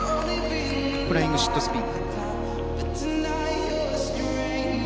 フライングシットスピン。